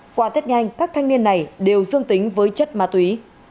qua tết nhanh các thanh niên này đều dương tính với chất ma túy